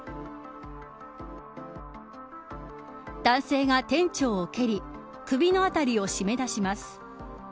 男性が店長を蹴り首の辺りを絞めだします。